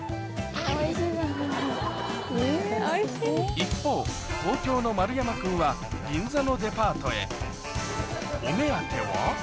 一方東京の丸山君は銀座のデパートへお目当ては？